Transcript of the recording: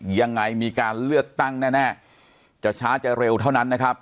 ยังไงมีการเลือกตั้งแน่จะช้าจะเร็วเท่านั้นนะครับ